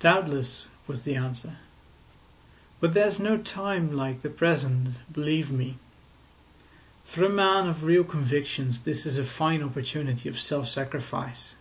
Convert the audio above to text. "Doubtless," was the answer; "but there's no time like the present, believe me. For a man of real convictions this is a fine opportunity of self sacrifice.